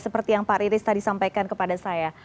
seperti yang pak riris tadi sampaikan kepada saya